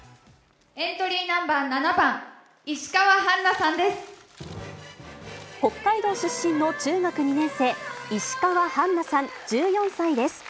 エントリーナンバー７番、北海道出身の中学２年生、石川花さん１４歳です。